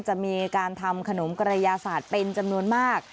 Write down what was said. จะมีการทำขนมกระยาศาสตร์เป็นจำนวนมาก